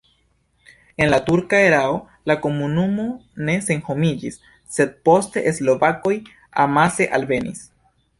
En la turka erao la komunumo ne senhomiĝis, sed poste slovakoj amase alvenis.